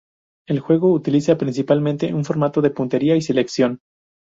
El juego utiliza principalmente un formato de puntería y selección.